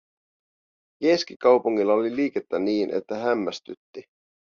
Keskikaupungilla oli liikettä niin, että hämmästytti.